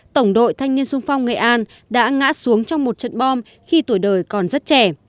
tổng đội thanh niên sung phong nghệ an đã ngã xuống trong một trận bom khi tuổi đời còn rất trẻ